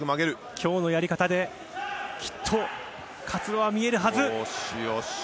今日のやり方できっと活路は見えるはず。